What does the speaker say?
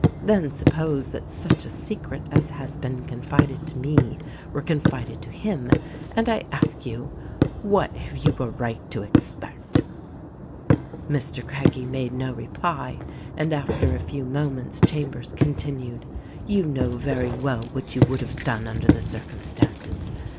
Then suppose that such a secret as has been confided to me were confided to him and I ask you — what have you a right to expect?" Mr. Craggie made no reply, and after a few moments Chambers continued : "You know very well what you would have done under the circumstances.